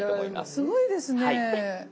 すごいですねえ。